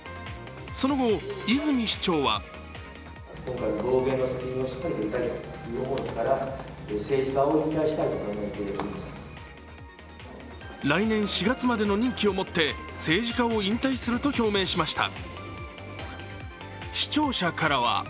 その後、泉市長は来年４月までの任期をもって政治家を引退すると表明しました。